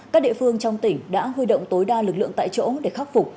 các địa phương trong tỉnh đã huy động tối đa lực lượng tại chỗ để khắc phục